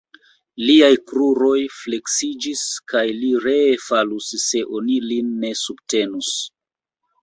Liaj kruroj fleksiĝis, kaj li ree falus, se oni lin ne subtenus.